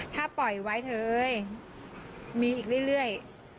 ถ้าปล่อยไว้เถอะมีอีกเรื่อย